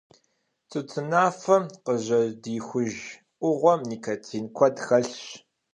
Тутынафэм къыжьэдихуж Ӏугъуэм никотин куэд хэлъщ.